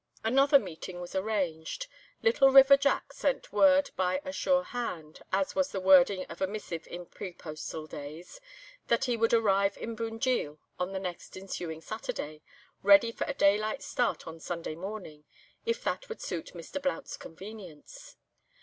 Another meeting was arranged. "Little River Jack" sent word by a "sure hand," as was the wording of a missive in pre postal days, that he would arrive in Bunjil on the next ensuing Saturday, ready for a daylight start on Sunday morning, if that would suit Mr. Blount's convenience.